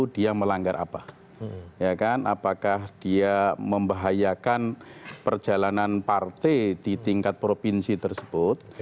dia melanggar apa apakah dia membahayakan perjalanan partai di tingkat provinsi tersebut